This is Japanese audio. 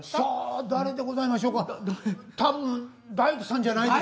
何でございましょうか。